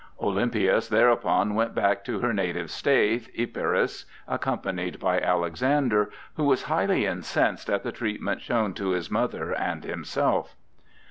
Olympias thereupon went back to her native state, Epirus, accompanied by Alexander, who was highly incensed at the treatment shown to his mother and himself.